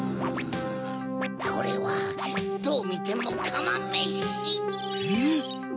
これはどうみてもかまめし。